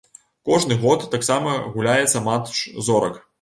Кожны год таксама гуляецца матч зорак.